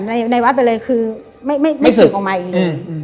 ในในวัดไปเลยคือไม่ไม่ไม่สืบออกมาอีกเลยอืมอืม